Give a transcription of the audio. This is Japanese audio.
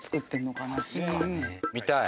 見たい。